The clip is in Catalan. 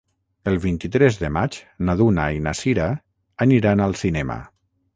El vint-i-tres de maig na Duna i na Sira aniran al cinema.